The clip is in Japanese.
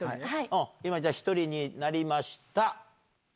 今、じゃあ１人になりました。